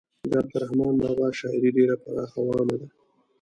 د عبدالرحمان بابا شاعري ډیره پراخه او عامه ده.